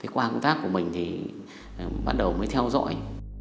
thế qua công tác của mình thì ban đầu mới theo dõi